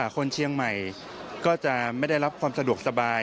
คนเชียงใหม่ก็จะไม่ได้รับความสะดวกสบาย